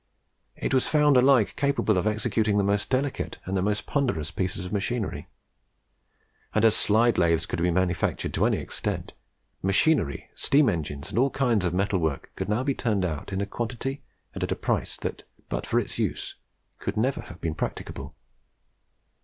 It was found alike capable of executing the most delicate and the most ponderous pieces of machinery; and as slide lathes could be manufactured to any extent, machinery, steam engines, and all kinds of metal work could now be turned out in a quantity and at a price that, but for its use, could never have been practicable.